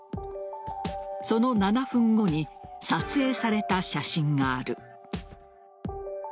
その７分後に撮影された写真がある。